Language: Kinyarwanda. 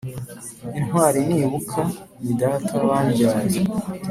Intwali nibuka ni data wambyaye